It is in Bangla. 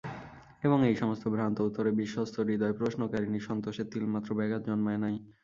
এবং এই সমস্ত ভ্রান্ত উত্তরে বিশ্বস্তহৃদয় প্রশ্নকারিণীর সন্তোষের তিলমাত্র ব্যাঘাত জন্মায় নাই।